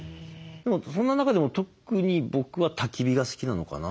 でもそんな中でも特に僕はたき火が好きなのかな。